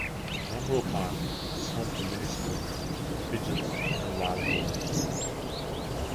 Monroe Park is home to many squirrels, pigeons, and wild birds.